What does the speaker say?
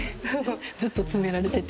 ずっと詰められてて。